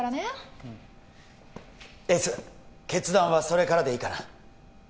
うんエース決断はそれからでいいかな？